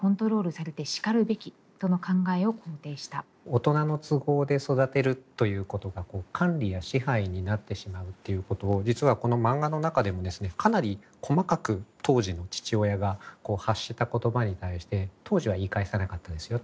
大人の都合で育てるということが管理や支配になってしまうっていうことを実はこの漫画の中でもですねかなり細かく当時の父親が発した言葉に対して当時は言い返さなかったですよ